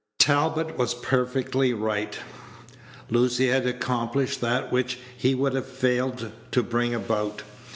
Talbot was perfectly right; Lucy had accomplished that which he would have failed to bring about.